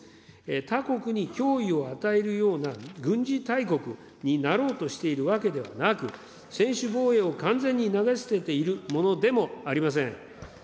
他国に脅威を与えるような軍事大国になろうとしているわけではなく、専守防衛を完全に投げ捨てているものでもありません。